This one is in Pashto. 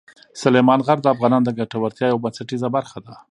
سلیمان غر د افغانانو د ګټورتیا یوه بنسټیزه برخه ده.